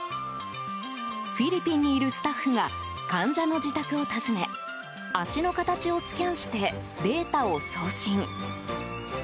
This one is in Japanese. フィリピンにいるスタッフが患者の自宅を訪ね足の形をスキャンしてデータを送信。